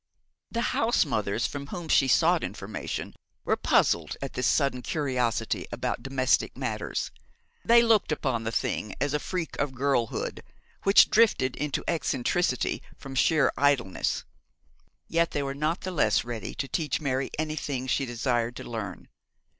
The house mothers from whom she sought information were puzzled at this sudden curiosity about domestic matters. They looked upon the thing as a freak of girlhood which drifted into eccentricity, from sheer idleness; yet they were not the less ready to teach Mary anything she desired to learn.